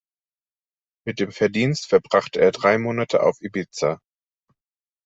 Mit dem Verdienst verbrachte er drei Monate auf Ibiza.